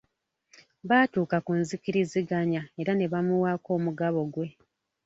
Baatuuka ku nzikiriziganya era ne bamuwaako omugabo gwe.